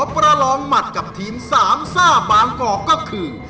ประลองหมัดกับทีมสามซ่าบางกอกก็คือ